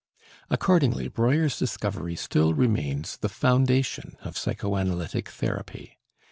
Accordingly, Breuer's discovery still remains the foundation of psychoanalytic therapy.